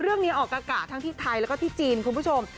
เรื่องนี้ออกกากะทั้งที่ไทยและก็ที่จีนคุณผู้ชม